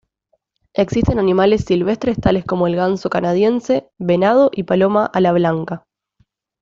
Existen animales silvestres tales como el ganso canadiense, venado y paloma ala blanca.